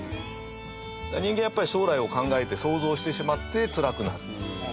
人間は、やっぱり、将来を考えて想像してしまって、つらくなる。